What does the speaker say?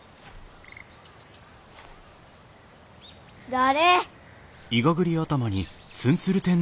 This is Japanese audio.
誰！？